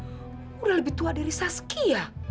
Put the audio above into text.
sudah lebih tua dari saskia